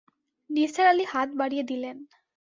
নিসার আলি হাত বাড়িয়ে দিলেন।